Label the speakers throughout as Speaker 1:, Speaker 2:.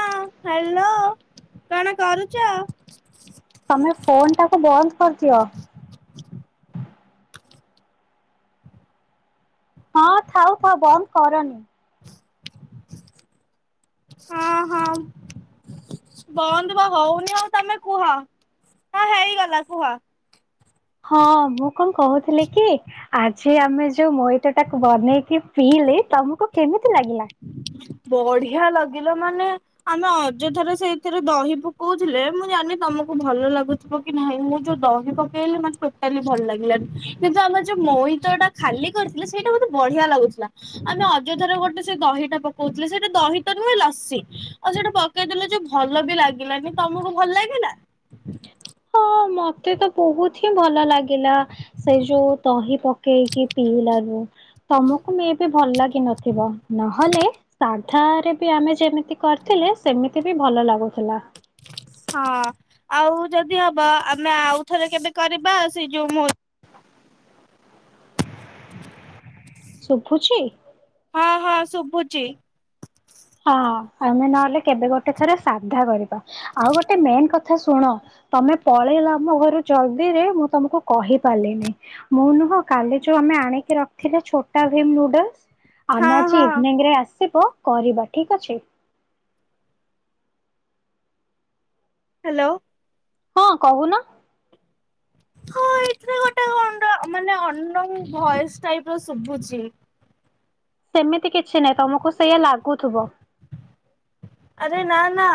Speaker 1: ହଁ ହ୍ୟାଲୋ କଣ କରୁଛ?
Speaker 2: ତମେ ଫୋନ ଟାକୁ ବନ୍ଦ କରିଦିଅ। ହଁ ଥାଉ ଥାଉ ବନ୍ଦ କରନି।
Speaker 1: ହଁ ହଁ। ବନ୍ଦ ବା ହଉନି ଆଉ ତମେ କୁହ ହ ହେଇଗଲା କୁହ।
Speaker 2: ହଁ ମୁଁ କଣ କହୁଥିଲି କି ଆଜି ଆମେ ଯୋଉ ମଇତ ଟାକୁ ବନେଇକି ପିଇଲି ତମକୁ କେମିତି ଲାଗିଲା?
Speaker 1: ବଢିଆ ଲାଗିଲା ମାନେ ଆମେ ଅଯଥାରେ ସେଇଥିରେ ଦହି ପକଉଥିଲେ ମୁଁ ଜାଣିନି ତମକୁ ଭଲ ଲାଗୁ କି ନାହିଁ ମୁଁ ଯୋଉ ଦହି ପକେଇଲି ମତେ ଟୋଟାଲି ଭଲ ଲାଗିଲାନି। କିନ୍ତୁ ଆମେ ଯୋଉ ମଇତଟା ଖାଲି କରିଥିଲେ ସେଇଟା ମତେ ବଢିଆ ଲାଗୁଥିଲା ଆମେ ଅଯଥା ରେ ଗୋଟେ ସେ ଦହି ସେଟା ପକଉଥିଲେ ସେଇଟା ଦହିତ ନୁହେଁ ଲସି ଆଉ ସେଇଟା ପକେଇଦେଲେ ଯେ ଭଲ ବି ଲାଗିଲାନି। ତମକୁ ଭଲ ଲାଗିଲା?
Speaker 2: ହଁ ମତେ ତ ବହୁତ ହିଁ ଭଲ ଲାଗିଲା ସେ ଯୋଉ ଦହି ପ ପକେଇକି ପିଇଲାରୁ ତମକୁ ମେବୀ ଭଲ ଲାଗି ନଥିବ ନହେଲେ କଥାରେ ବି ଆମେ ଯେମିତି କରିଥିଲେ ସେମିତି ବି ଭଲ ଲାଗୁଥିଲା।
Speaker 1: ହଁ ଆଉ ଯଦି ହବ ଆମେ ଆଉଥରେ କେବେ କରିବା ସେ ଯୋଉ ମୋ
Speaker 2: ଶୁଭୁଛି?
Speaker 1: ହଁ ହଁ ଶୁବୁଚି।
Speaker 2: ହଁ ଆମେ ନହେଲେ କେବେ ଗୋଟେ ଥରେ ସାଧା କରିବା। ଆଉ ଗୋଟେ ମେନ୍ କ ଥା ଶୁଣ ତମେ ପଳେଇଲ ଆମ ଘରୁ ଜଲଦିରେ ମୁଁ ତମକୁ କହି ପାରିଲିନି। ମୁଁ ନୁହଁ କାଲି ଯୋଉ ଆମେ ଆଣିକି ରଖିଲୁ ଛୋଟା ଭିମ ନୁଡଲସ।
Speaker 1: ହଁ
Speaker 2: ଆମ ଆଜି
Speaker 1: ହଁ
Speaker 2: ଇଭିନିଂରେ ଆସିବ କରିବା ଠିକ୍ ଅଛି।
Speaker 1: ହାଲୋ।
Speaker 2: ହଁ କହୁନ।
Speaker 1: ହଁ ଏଥିରେ ଗୋଟେ ଅନଡ ମାନେ ଅନ୍ନୋନ ଭୟସ ଟାଇପ ର ଶୁଭୁଛି।
Speaker 2: ସେମିତି କିଛି ନାହିଁ ତମକୁ ସେଇୟା ଲାଗୁଥିବ।
Speaker 1: ଆରେ ନା ନା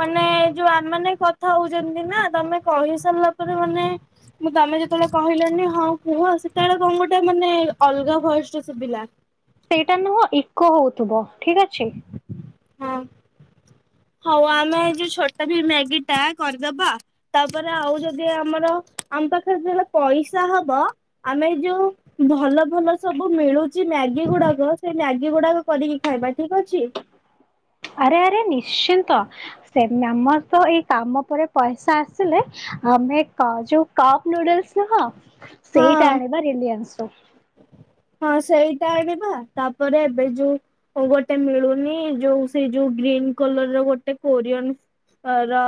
Speaker 1: ମାନେ ଯୋଉ ଆମେ ମାନେ କଥା ହଉଛନ୍ତି ନା ତମେ କହି ସାରିଲା ପରେ ମାନେ ମୁଁ ତମେ ଯେତେବେଳେ କହିଲନି ହଁ କୁହ ସେତେବେଳେ କଣ ଗୋଟେ ମାନେ ଅଲଗା ଭଏସ ଟେ ଶୁଭିଲା।
Speaker 2: ସେଇଟା ନୁହଁ ଇକୋ ହଉଥିବ ଠିକ ଅଛି।
Speaker 1: ହଁ ହଉ ଆମେ ଯୋଉ ଛୋଟା ଭିମ୍ ମ୍ୟାଗି ଟା କରିଦବା। ତାପରେ ଆଉ ଯଦି ଆମର ଆମ ପାଖରେ [unintelligible] ପଇସା ହବ ଆମେ ଯୋଉ ଭଲ ଭଲ ସବୁ ମିଳୁଛି ମ୍ୟାଗି ଗୁଡାକ ସେ ମ୍ୟାଗି ଗୁଡାକ କରିକି ଖାଇବା ଠିକ ଅଛି।
Speaker 2: ଆରେ ଆରେ ନିଶ୍ଚିନ୍ତ ସେ ଆମର ତ ଏଇ କାମ ପରେ ପଇସା ଆସିଲେ ଆମେ କ ଯୋଉ କପ ନୁଡଲସ ନୁହଁ
Speaker 1: ହଁ।
Speaker 2: ସେଇଟା ଆଣି ବା ରିଲିଆନ୍ସରୁ।
Speaker 1: ହଁ ସେଇଟା ଆଣିବା ତାପରେ ଏବେ ଯୋଉ ଆଉ ଗୋଟେ ମିଳୁନି ଯୋଉ ସେଇ ଯୋଉ ଗ୍ରୀନ କଲର ର ଗୋଟେ କୋରିଅନ ଅ ର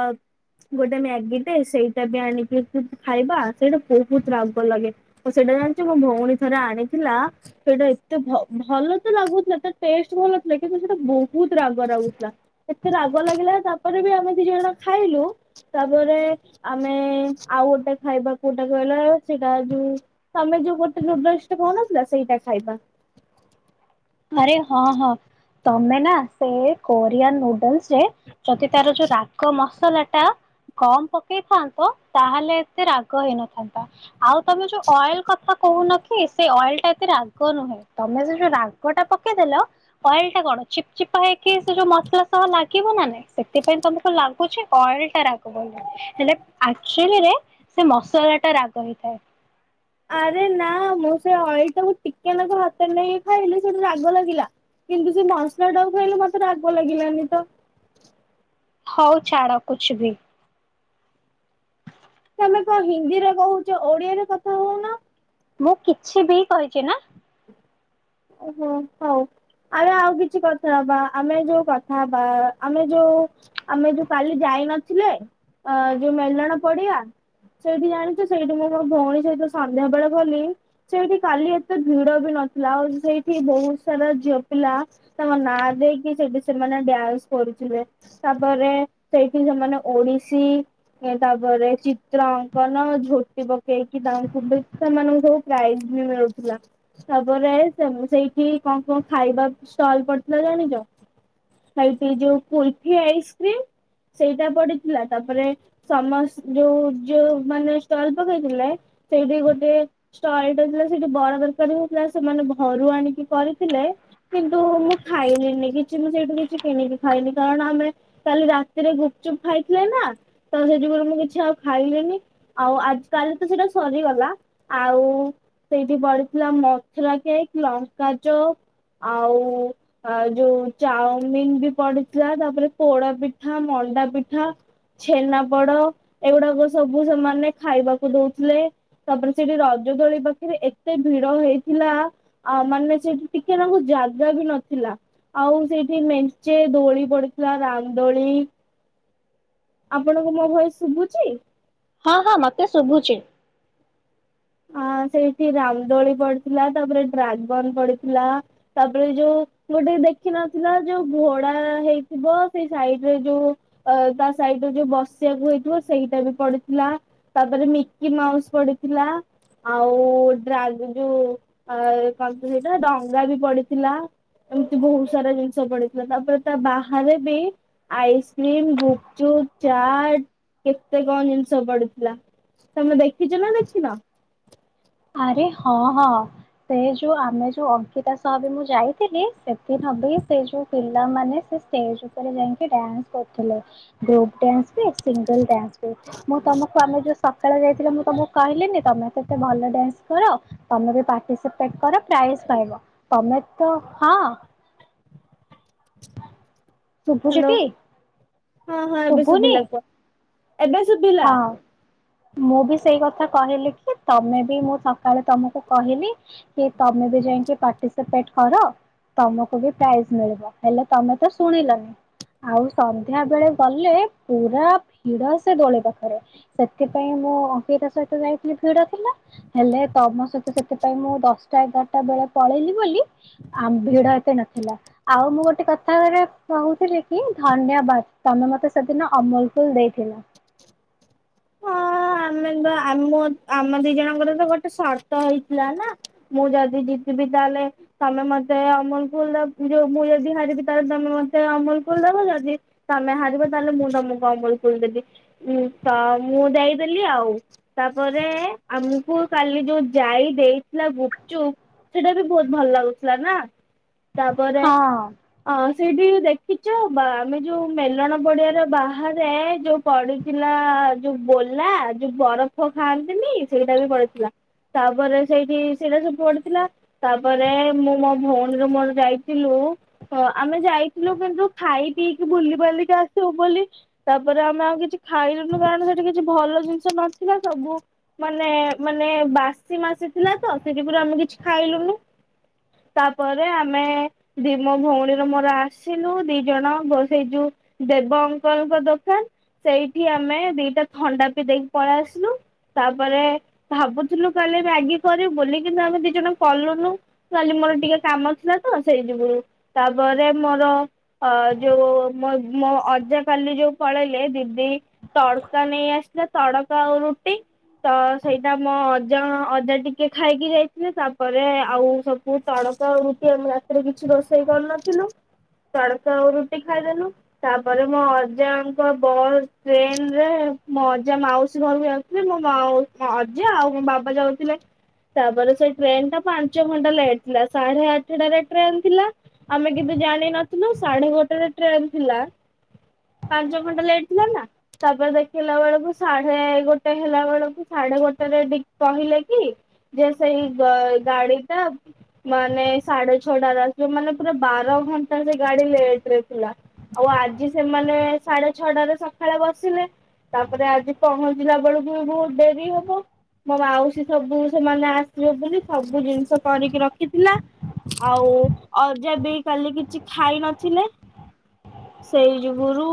Speaker 1: ଗୋଟେ ମ୍ୟାଗିଟେ ସେଇଟା ବି ଆଣିକି ଖାଇବା ସେଇଟା ବହୁତ ରାଗ ଲାଗେ। ଆଉ ସେଇଟା ଜାଣିଛୁ ମୋ ଭଉଣୀ ଥରେ ଆଣିଥିଲା। ସେଇଟା ଏତେ ଭ ଭଲ ତ ଲାଗୁଥିଲା ତା ଟେଷ୍ଟ ଭଲ ଥିଲା। କିନ୍ତୁ ସେଇଟା ବହୁତ ରାଗ ଲାଗୁଥିଲା। ଏତେ ରାଗ ଲାଗିଲା ତାପରେ ବି ଆମେ ଦି ଜଣ ଖାଇଲୁ। ତାପରେ ଆମେ ଆଉ ଗୋଟେ ଖାଇବା କୋଉଟା କହିଲ ସେଇଟା ଯୋଉ ତମେ ଯୋଉ ଗୋଟେ ନୁଡଲସ ଟା କହୁନଥିଲ ସେଇଟା ଖାଇବା।
Speaker 2: ଆରେ ହଁ ହଁ ତମେ ନା ସେ କୋରିଆନ ନୁଡଲସ ରେ ଯଦି ତାର ଯୋଉ ରାଗ ମସଲା ଟା। କମ ପକେଇଥାନ୍ତ ତାହେଲେ ଏତେ ରାଗ ହେଇନଥାନ୍ତା। ତା ଆଉ ତମେ ଯୋଉ ଅଏଲ କଥା କହୁନ କି ସେ ଅଏଲ ଟା ଏତେ ରାଗ ନୁହେଁ ତମେ ଯେ ଯୋଉ ରାଗ ଟା ପକେଇଦେଲ ଅଏଲ ଟା କଣ ଚିପ ଚିପା ହେଇକି ସେ ଯୋଉ ମସଲା ସହ ଲାଗିବ ନା ନାଇଁ। ସେଥିପାଇଁ ତମକୁ ଲାଗୁଛି ଅଏଲ ଟା ରାଗ ବୋଲି। ହେଲେ ଆକ୍ଚୁଲିରେ ସେ ମସଲା ଟା ରାଗ ହେଇଥାଏ।
Speaker 1: ଆରେ ନା ମୁଁ ସେ ଅଏଲଟାକୁ ଟିକେନାକୁ ହାତରେ ନେଇକି ଖାଇଲି ସେଠୁ ରାଗ ଲାଗିଲା। କିନ୍ତୁ ସେ ମସଲା ଟାକୁ ଖାଇଲି ମତେ ରାଗ ଲାଗିଲାନି ତ।
Speaker 2: ହଉ ଛାଡ କୁଛ ବି।
Speaker 1: ତମେ କଣ ହିନ୍ଦୀରେ କହୁଛ ଓଡିଆରେ କଥା ହଉନ।
Speaker 2: ମୁଁ କିଛି ବି କହିଛି ନା।
Speaker 1: ଓ ହୋ ହଉ। ଆରେ ଆଉ କିଛି କଥା ହବା ଆମେ ଯୋଉ କଥା ହବା ଆମେ ଯୋଉ ଆମେ ଯୋଉ କାଲି ଯାଇ ନଥିଲେ ଅ ଯୋଉ ମେଲଣ ପଡିଆ। ସେଇଠି ଜାଣିଛୁ ସେଇଠି ମୁଁ ମୋ ଭଉଣୀ ସହିତ ସନ୍ଧ୍ୟା ବେଳେ ଗଲି। ସେଇଠି କାଲି ଏତେ ଭିଡ ବି ନଥିଲା ଆଉ ସେଇଠି ବହୁତ ସାରା ଝିଅ ପିଲା। ତମ ନା ଦେଇକି ସେଠି ସେମାନେ ଡ୍ୟାନ୍ସ କରୁଥିଲେ ତାପରେ ସେଇଠି ସେମାନେ ଓଡିଶୀ। ଏଁ ତାପରେ ଚିତ୍ର ଅଙ୍କନ ଝୋଟି ପକେଇକି ତାଙ୍କୁ [unintelligible] ସେମାନଙ୍କୁ। ପ୍ରାଇଜ୍ ବି ମିଳୁଥିଲା ତାପରେ। ସେମ ସେଇଠି କଣ କଣ ଖାଇବା ଷ୍ଟଲ ପଡିଥିଲା ଜାଣିଚ। ହେଇଠି ଯୋଉ କୁଲଫି ଆଇସ୍କ୍ରିମ୍ ସେଇଟା ପଡିଥିଲା ତାପରେ। ସମସ୍ ଯୋଉ ଯୋଉ ମାନେ ଷ୍ଟଲ ପକେଇଥିଲେ ସେଇଠି ଗୋଟେ। ଷ୍ଟଲଟେ ଥିଲା ସେଇଠୁ ବରା ତରକାରୀ ହଉଥିଲା ସେମାନେ ଘରୁ ଆଣିକି କରିଥିଲେ। କିନ୍ତୁ ମୁଁ ଖାଇଲିନି କିଛି ମୁଁ ସେଇଠୁ କିଛି କିଣିକି ଖାଇନି କାରଣ ଆମେ। କାଲି ରାତିରେ ଗୁପଚୁପ୍ ଖାଇଥିଲେ ନା ତ ସେ ଯୁଗୁରୁ ମୁଁ କିଛି ଆଉ ଖାଇଲିନି। ଆଉ ଆଜ କାଲ ତ ସେଟା ସରିଗଲା ଆଉ। ସେଇଠି ପଡିଥିଲା ମଥୁରା କେକ୍ ଲଙ୍କା ଚପ୍ ଆଉ। ଆଉ ଯୋଉ ଚାଉମିିନ ବି ପଡିଥିଲା ତାପରେ ପୋଡା ପିଠା ମଣ୍ଡା ପିଠା। ଛେନାପୋଡ ଏଗୁଡାକ ସବୁ ସେମାନେ ଖାଇବାକୁ ଦଉଥିଲେ। ତାପରେ ସେଇଠେ ରଜ ଦୋଳି ପାଖେରେ ଏତେ ଭିଡ ହେଇଥିଲା। ଆଉ ମାନେ ସେଠି ଟିକେ ନା କୁ ଜାଗା ବି ନଥିଲା। ଆଉ ସେଇଠି ମେଞ୍ଚେ ଦୋଳି ପଡିଥିଲା ରାମ୍ ଦୋଳି। ଆପଣଙ୍କୁ ମୋ ଭଏସ୍ ଶୁଭୁଚି।
Speaker 2: ହଁ ହଁ ମତେ ଶୁଭୁଚି।
Speaker 1: ଆଁ ସେଇଠି ରାମଦୋଳି ପଡିଥିଲା ତାପରେ ଡ୍ରାଗନ ପଡିଥିଲା। ତାପରେ ଯୋଉ ଗୋଟେ ଦେଖିନଥିଲା ଯୋଉ ଘୋଡା ହେଇଥିବ ସେଇ ସାଇଡରେ ଯୋଉ। ଅ ତା ସାଇଡରେ ଯୋଉ ବସିବାକୁ ହେଇଥିବ ସେଇଟା ବି ପଡିଥିଲା। ତାପରେ ମିକି ମାଉସ ପଡିଥିଲା ଆଉ ଡ୍ରାଗ ଯୋଉ ଆଉ କଣତ ସେଇଟା ଡଙ୍ଗା ବି ପଡିଥିଲା। ଏମିତି ବହୁତ ସାରା ଜିନିଷ ପଡିଥିଲା ତାପରେ ତା ବାହାରେ ବି। ଆଇସ୍କ୍ରିମ ଗୁପଚୁପ୍ ଚାଟ କେତେ କଣ ଜିନିଷ ପଡିଥିଲା। ତମେ ଦେଖିଚ ନା ଦେଖିନ।
Speaker 2: ଆରେ ହଁ ହଁ ସେ ଯୋଉ ଆମେ ଯୋଉ ଅଙ୍କିତା ସହ ବି ମୁଁ ଯାଏ ଥିଲି ସେଦିନ ବି ସେ ଯୋଉ ପିଲାମାନେ ସେ ଷ୍ଟେଜ ଉପରେ ଯାଇକି ଡ୍ୟାନ୍ସ କରୁଥିଲେ। ଗ୍ରୁପ୍ ଡ୍ୟାନ୍ସ ବି ସିଙ୍ଗଲ୍ ଡ୍ୟାନ୍ସ। ମୁଁ ତମକୁ ଆମେ ଯୋଉ ସକାଳେ ଯାଇଥିଲ ମୁଁ ତମକୁ କହିଲିନି ତମେ କେତେ ଭଲ ଡ୍ୟାନ୍ସ କର ତମେ ବି ପଟିସିପେଟ୍ କର ପ୍ରାଇଜ ପାଇବ ତମେ ତ ହଁ।
Speaker 1: ହାଲୋ
Speaker 2: ଶୁଭୁଛିଟି
Speaker 1: ହଁ ହଁ ଏବେ
Speaker 2: ଶୁଭୁନି
Speaker 1: ଶୁଭିଲା କୁହ ଏବେ ଶୁଭିଲା।
Speaker 2: ହଁ ମୁଁ ବି ସେଇ କଥା କହିଲି କି ତମେ ବି ମୁଁ ସକାଳେ ତମକୁ କହିଲି। କି ତମେ ବି ଯାଇକି ପାର୍ଟିସିପେଟ କର। ତମକୁ ବି ପ୍ରାଇଜ ମିଳିବ ହେଲେ ତମେ ତ ଶୁଣିଲନି। ଆଉ ସନ୍ଧ୍ୟା ବେଳେ ଗଲେ ପୁରା ଭିଡ ସେ ଦୋଳେ ପାଖରେ ସେଥିପାଇଁ ମୁଁ ଅଙ୍କିତା ସହିତ ଯାଇଥିଲି ଭିଡ ଥିଲା। ହେଲେ ତମ ସହିତ ସେଥିପାଇଁ ମୁଁ ଦଶଟା ଏଗାରଟା ବେଳେ ପଳେଇଲି ବୋଲି। ଆମ ଭିଡ ଏତେ ନଥିଲା। ଆଉ ମୁଁ ଗୋଟେ କଥା [unintelligible] କହୁଥିଲି କି ଧନ୍ୟବାଦ ତମେ ମତେ ସେଦିନ ଅମୁଲ କୁଲ୍ ଦେଇଥିଲ।
Speaker 1: ହଁ ଆମେ ତ ଆମ ଆମ ଦି ଜଣଙ୍କର ତ ଗୋଟେ ସର୍ତ ହେଇଥିଲା ନା। ମୁଁ ଯଦି ଜିତିବି ତାହେଲେ। ତମେ ମତେ ଅମୁଲ କୁଲ ଦବ ଯୋଉ ମୁଁ ଯଦି ହାରିବି ତାହେଲେ ତମେ ମତେ ଅମଲ କୁଲ ଦବ ଯଦି ତମେ ହାରିବ ତାହେଲେ ମୁଁ ତମକୁ ଅମୁଲ କୁଲ୍ ଦେବି ତ ମୁଁ ଦେଇଦେଲି ଆଉ। ତାପରେ ଆମକୁ କାଲି ଯୋଉ ଯାଇ ଦେଇଥିଲା ଗୁପଚୁପ ସେଇଟା ବି ବହୁତ ଭଲ ଲାଗୁଥିଲା ନା ତାପରେ
Speaker 2: ହଁ।
Speaker 1: ହଁ ସେଇଠି ଦେଖିଛ ବା ଆମେ ଯୋଉ ମେଲଣ ପଡିଆ ର ବାହାରେ ଯୋଉ ପ ଥିଲା ଯୋଉ ବୋଲା ଯୋଉ ବରଫ ଖାଆନ୍ତିନି ସେଇଟା ବି ପଡିଥିଲା। ତାପରେ ସେଇଠି ସେଇଟା ସବୁ ପଡିଥିଲା। ତାପରେ ମୁଁ ମୋ ଭଉଣୀର ମୋର ଯାଇଥିଲୁ। ହଁ ଆମେ ଯାଇଥିଲୁ କିନ୍ତୁ ଖାଇ ପିଇକି ବୁଲି ବାଲିକି ଆସିବୁ ବୋଲି। ତାପରେ ଆମେ ଆଉ କିଛି ଖାଇଲୁନୁ କାରଣ ସେଠି କିଛି ଭଲ ଜିନିଷ ନଥିଲା ସବୁ ମାନେ ମାନେ ବାସି ମାସେ ଥିଲା ତ ସେଥିପରୁ ଆମେ କିଛି ଖାଇଲୁନୁ ତାପରେ ଆମେ ଦି ମୋ ଭଉଣୀର ମୋର ଆସିଲୁ ଦି ଜଣ ସେଇ ଯୋଉ ଦେବ ଅଙ୍କଙ୍କ ଦୋକାନ ସେଇଠି ଆମେ ଦିଟା ଥଣ୍ଡା ପି ଦେଇକି ପଳେଇ ଆସିଲୁ। ତାପରେ ଭାବୁଥିଲୁ କାଲି ମଗି କରି ବୁଲ କିନ୍ତୁ ଆମେ ଦି ଜଣ କଲୁନୁ। କାଲି ମୋର ଟିକେ କାମ ଥିଲା ତ ସେଇଥିପାଇଁ ତାପରେ ମୋର ଅ ଯୋଉ ମୋ ଅଜା କାଲି ଯୋଉ ପଳେଇଲେ ଦିଦି ତଳ ନେଇ ଆସିଲା ତଡ଼କା ଆଉ ରୁଟି। ତ ସେଇଟା ମୋ ଅଜା ଅଜା ଟିକେ ଖାଇକି ଯାଇଥିଲେ ତାପରେ ଆଉ ସବୁ କ ତଡକା ହଉଛି ଆମେ ରାତିରେ କିଛି ରୋଷେଇ କରିନଥିଲୁ। ତଡ଼କା ଆଉ ରୁଟି ଖାଇଦେଲୁ ତାପରେ ମୋ ଅଜାଙ୍କ ବସ୍ ଟ୍ରେନ ମୋ ଅଜା ମାଉସୀ ଘରକୁ ଯାଉଥିଲେ ମୋ ମାଉ ଅଜା ଆଉ ମୋ ବାବା ଯାଉଥିଲେ। ତାପରେ ସେ ଟ୍ରେନ ଟା ପାଞ୍ଚ ଘଣ୍ଟା ଲେଟ୍ ଥିଲା ସାଢେ ଆଠଟାରେ ଟ୍ରେନ୍ ଥିଲା। ଆମେ କିନ୍ତୁ ଜାଣିନଥିଲୁ ସାଢେ ଗୋଟେ ରେ ଟ୍ରେନ ଥିଲା। ପାଞ୍ଚ ଘଣ୍ଟା ଲେଟ୍ ଥିଲା ନା ତାପରେ ଦେଖିଲା ବେଳକୁ ସାଢେ ଗୋଟେ ହେଲା ବେଳକୁ ସାଢେ ଗୋଟେ କହିଲେ କି ଯେ ସେହି ଗାଡ଼ି ଟା ମାନେ ସାଢେ ଛଅଟା ଆସୁ ମାନେ ପୁରା ବାର ଘଣ୍ଟା ସେ ଗାଡି ଲେଟ ରେ ଥିଲା ଆଉ ଆଜି ସେମାନେ ସାଢେ ଛଅଟାରେ ସକାଳେ ବସ ଆସିଲେ ତାପରେ ଆଜି ପହଞ୍ଚିଲା ବେଳକୁ ବହୁତ ଡେରି ହବ। ମୋ ମାଉସୀ ସବୁ ସେମାନେ ଆସିବେ ବୋଲି ସବୁ ଜିନିଷ କରିକି ରଖିଥିଲା। ଆଉ ଅଜା ବି କାଲି କିଛି ଖାଇ ନଥିଲେ। ସେଇ ଯୁଗୁରୁ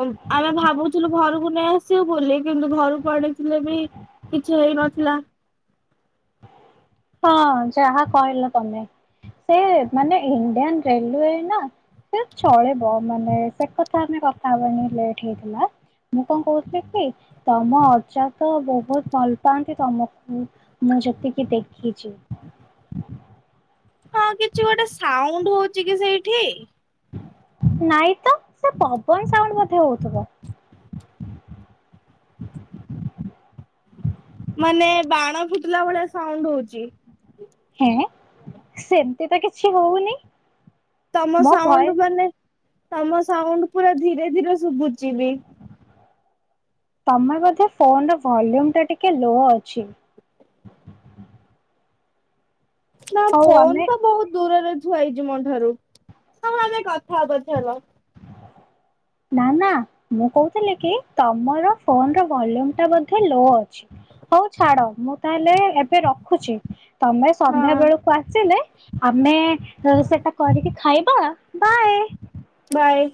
Speaker 1: ଆମେ ଭାବୁଛୁ। ଆଥିଲୁ ଘରକୁ ନେଇ ଆସିବୁ ବୋଲି କିନ୍ତୁ ଘରକୁ ଆଣିଥିଲେ ବି କିଛି ହେଇନଥିଲା।
Speaker 2: ହଁ ଯାହା କହିଲ ତମେ ସେ ମାନେ ଇଣ୍ଡିଆନ ରେଲୱେ ନା ସେ ଚଳିବ ମାନେ ସେ କଥା ଆମେ କଥା ହବାନି ଲେଟ ହେଇଥିଲା। ମୁଁ କଣ କହୁଥିଲି କି ତମ ଅଜାତ ବହୁତ ଭଲ ପାଆନ୍ତି ତମକୁ ମୁଁ ଯେତିକି ଦେଖିଛି।
Speaker 1: ହଁ କିଛି ଗୋଟେ ସାଉଣ୍ଡ ହଉଛି କି ସେଇଠି।
Speaker 2: ନାଇଁ ତ ସେ ପବନ ସାଉଣ୍ଡ ହଉଥିବ।
Speaker 1: ମାନେ ବାଣ ଫୁଟିଲା ଭଳିଆ ସାଉଣ୍ଡ ହଉଛି।
Speaker 2: ହେଁ ସେମତି ତ କିଛି ହଉନି
Speaker 1: ତମ
Speaker 2: ମୋ ଭଏ
Speaker 1: ସାଉଣ୍ଡ ମାନେ ତମ ସାଉଣ୍ଡ ପୁରା ଧୀରେ ଧୀରେ ଶୁଭୁଚିବି।
Speaker 2: ତମେ ବୋଧେ ଫୋନ ର ଭଲ୍ୟୁମ ଟା ଟିକେ ଲୋ ଅଛି।
Speaker 1: ନା
Speaker 2: ହଉ
Speaker 1: ଫୋନ
Speaker 2: ଆମେ
Speaker 1: ତ ବହୁତ ଦୂରରେ ଥୁଆ ହେଇଛି ମୋଠାରୁ ତମ ଆମେ କଥା ହବା ଚାଲ।
Speaker 2: ନା ନା ମୁଁ କୋହୁଥିଲି କି ତମର ଫୋନ ର ଭଲ୍ୟୁମ ଟା ବୋଧେ ଲୋ ଅଛି। ହୋଉ ଛାଡ ମୁଁ ତାହେଲେ ଏବେ ରଖୁଛି। ତମେ
Speaker 1: ହଁ
Speaker 2: ସନ୍ଧ୍ୟା ବେଳକୁ ଆସିଲେ ଆମେ ସେଟା କରିକି ଖାଇବା ବାଏ।
Speaker 1: ବାଏ।